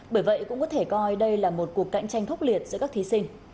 bởi vậy cũng có thể coi đây là một cuộc cạnh tranh khốc liệt giữa các thí sinh